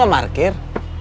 kamu gak markir